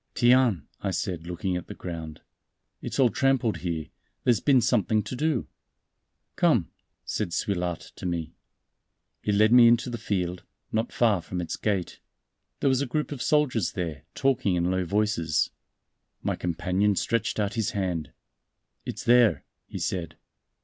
"Tiens!" I said, looking at the ground, "it's all trampled here; there's been something to do." "Come," said Suilhard to me. He led me into the field, not far from its gate. There was a group of soldiers there, talking in low voices. My companion stretched out his hand. "It's there," he said.